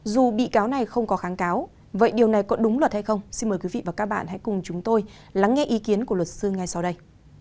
dù bị cáo này không có kháng cáo vậy điều này có đúng luật hay không xin mời quý vị và các bạn hãy cùng chúng tôi lắng nghe ý kiến của luật sư ngay sau đây